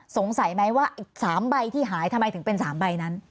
สงสัยไหมว่าอีก๓ใบที่หายทำไมถึงเป็น๓ใบนั้น